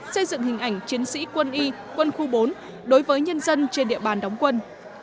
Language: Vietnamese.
xây dựng hình ảnh chiến sĩ quân y quân khu bốn đối với nhân dân trên địa bàn đóng quân